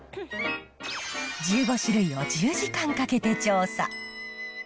１５種類を１０時間かけて調査。